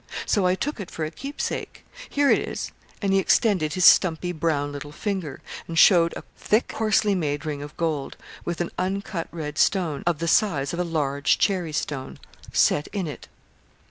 So I took it for a keepsake; here it is,' and he extended his stumpy, brown little finger, and showed a thick, coarsely made ring of gold, with an uncut red stone, of the size of a large cherry stone, set in it.